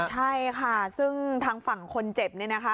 ใช่ค่ะซึ่งทางฝั่งคนเจ็บเนี่ยนะคะ